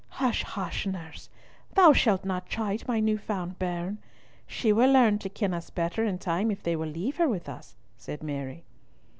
"Hush, hush, nurse! thou shalt not chide my new found bairn. She will learn to ken us better in time if they will leave her with us," said Mary.